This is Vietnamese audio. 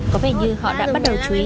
có vẻ như họ đã bắt đầu chú ý